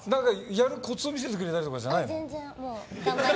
やるコツを見せてくれたりじゃないの？